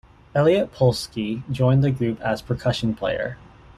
Elliot Polsky joined the group as percussion player.